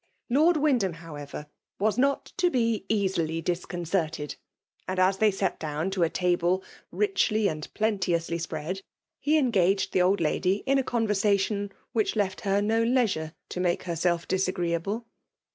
LcKrd Wyndham, however> 2S64 FBMMB DOMINATION.. was not to be easily disconcerted; and us tji^ 9at down to a table richly and plenteojisHjr spread, he engaged the old lady in a conver sation which left her no leisure to make her* self disagreeable.